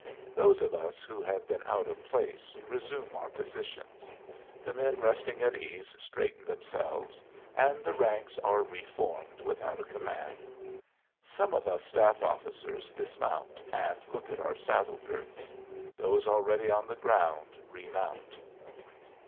Those of us who have been out of place resume our positions; the men resting at ease straighten themselves and the ranks are re formed without a command. Some of us staff officers dismount and look at our saddle girths; those already on the ground remount.